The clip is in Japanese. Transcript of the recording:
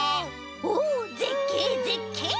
おぜっけいぜっけい！